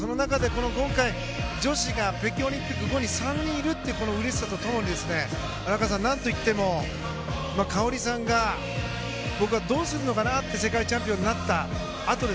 今回、女子が北京オリンピック後に３人いるというこのうれしさと共に荒川さん、何といっても花織さんがどうするのかなと世界チャンピオンになったあと。